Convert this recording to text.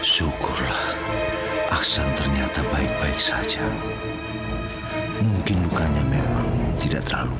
syukurlah aksan ternyata baik baik saja mungkin dukanya memang tidak terlalu